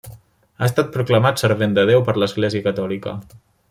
Ha estat proclamat Servent de Déu per l'Església catòlica.